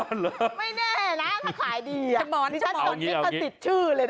ไม่แน่นะถ้าขายดีอ่ะนี่ชั้นติดชื่อเลยนะ